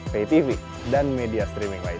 paytv dan media streaming lain